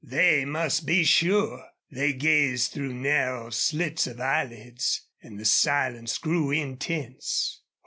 They must be sure. They gazed through narrow slits of eyelids; and the silence grew intense.